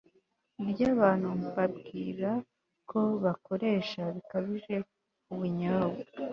ryabantu mbabwira ko bakoresha bikabije ubunyobwa